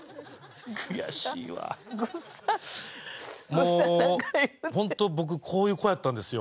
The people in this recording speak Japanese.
もうホント僕こういう子やったんですよ。